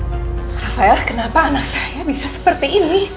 pak rafael kenapa anak saya bisa seperti ini